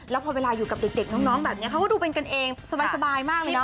แล้วพอเวลาอยู่กับเด็กน้องแบบนี้เขาก็ดูเป็นกันเองสบายมากเลยนะ